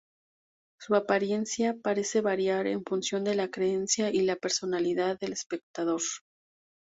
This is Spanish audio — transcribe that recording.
Su apariencia parece variar en función de la creencia y la personalidad del espectador.